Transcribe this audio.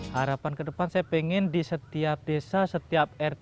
harapan kedepan saya ingin di setiap desa setiap rt